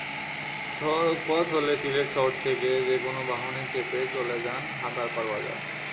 সড়কপথ হলে সিলেট শহর থেকে যেকোনো বাহনে চেপে চলে যান হাদারপার বাজার।